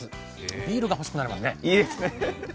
ビールが欲しくなりますね。